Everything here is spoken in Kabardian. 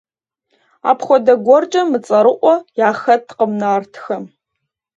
Апхуэдэ гуэркӏэ мыцӏэрыӏуэ яхэткъым нартхэм.